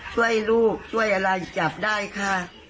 ช่วยลูกช่วยอะไรจับได้ค่ะ